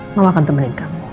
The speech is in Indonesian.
mama akan temenin kamu